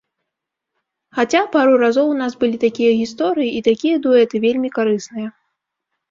Хаця, пару разоў у нас былі такія гісторыі, і такія дуэты вельмі карысныя.